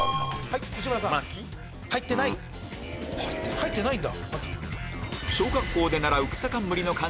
入ってないんだ。